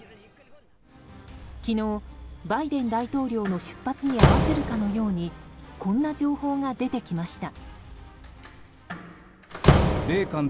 昨日、バイデン大統領の出発に合わせるかのようにこんな情報が出てきました。